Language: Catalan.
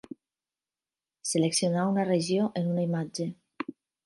Seleccionar una regió en una imatge.